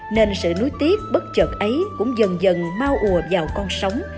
nên sự nuối tiếc bất chợt ấy cũng dần dần mau ùa vào con sống